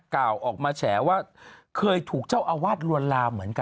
กล่าวออกมาแฉว่าเคยถูกเจ้าอาวาสลวนลามเหมือนกัน